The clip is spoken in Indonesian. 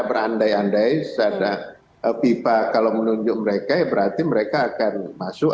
berandai andai fifa kalau menunjuk mereka ya berarti mereka akan masuk